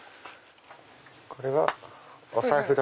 これはお財布だ。